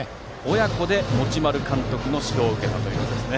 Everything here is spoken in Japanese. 親子で持丸監督の指導を受けたということですね。